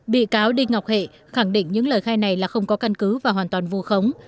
bị cáo đinh ngọc hệ khẳng định những lời khai này là không có căn cứ và hoàn toàn vù khống